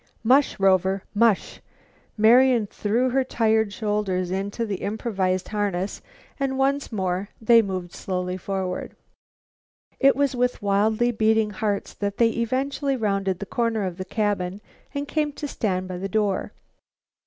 "Mush, Rover! Mush!" Marian threw her tired shoulders into the improvised harness, and once more they moved slowly forward. It was with wildly beating hearts that they eventually rounded the corner of the cabin and came to a stand by the door.